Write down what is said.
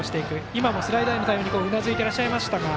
今もスライダーへの対応にうなずいていらっしゃいましたが。